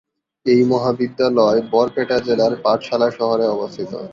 এই মহাবিদ্যালয় বরপেটা জেলার পাঠশালা শহরে অবস্থিত।